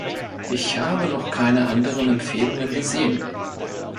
Ich habe noch keine anderen Empfehlungen gesehen.